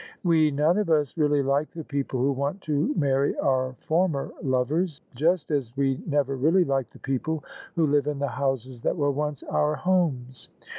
We none of us really like the people who want to marry our former lovers ; just as we never really like the people who live in the houses that were once our homes.